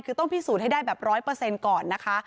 คือต้องพิสูจน์ให้ได้แบบร้อยเปอร์เซ็นต์ก่อนนะคะ